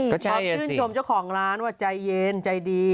ความชื่นชมเจ้าของร้านว่าใจเย็นใจดี